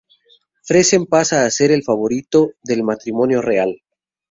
Fersen pasa a ser el favorito del matrimonio real.